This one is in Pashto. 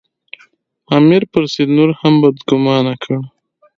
امیر پر سید نور هم بدګومانه کړ.